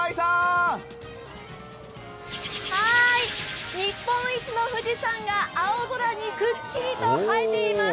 はーい、日本一の富士山が青空にくっきりと映えています。